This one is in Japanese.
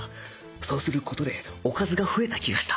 そうする事でおかずが増えた気がした